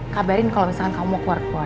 kabarin kalau misalkan kamu mau keluar keluar